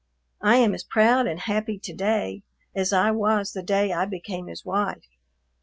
I am as proud and happy to day as I was the day I became his wife.